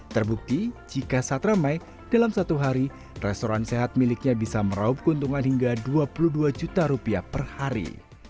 terbukti jika saat ramai dalam satu hari restoran sehat miliknya bisa meraup keuntungan hingga dua puluh dua juta rupiah per hari